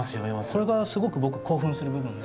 これがすごく僕興奮する部分で。